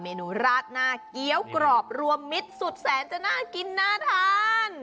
นูราดหน้าเกี้ยวกรอบรวมมิตรสุดแสนจะน่ากินน่าทาน